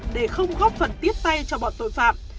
để không góp phần tiếp tay cho bọn tội phạm